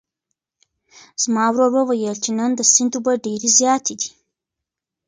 زما ورور وویل چې نن د سیند اوبه ډېرې زیاتې دي.